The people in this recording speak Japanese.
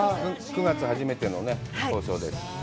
９月初めての放送です。